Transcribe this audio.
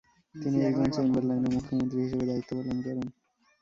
তিনি একজন চেম্বারলাইন ও মুখ্যমন্ত্রী হিসেবে দায়িত্ব পালন করেন।